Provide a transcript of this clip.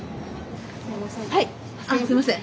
すみません。